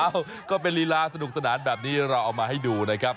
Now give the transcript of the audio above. เอ้าก็เป็นลีลาสนุกสนานแบบนี้เราเอามาให้ดูนะครับ